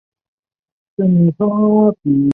拉谢纳洛特。